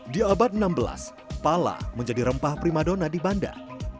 di abad enam belas pala menjadi rempah primadona di banda